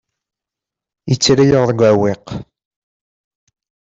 Yettarra-yaɣ deg uɛewwiq.